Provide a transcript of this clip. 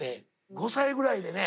５歳ぐらいでね